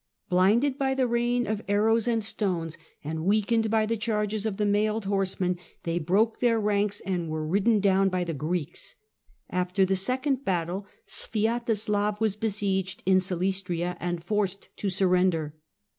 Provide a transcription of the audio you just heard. Blinded by the rain of arrows and stones, and weakened by the charges of the mailed horse men, they broke their ranks, and were ridden down by the Greeks. After the second battle Sviatoslav was besieged in Silistria, and forced to surrender.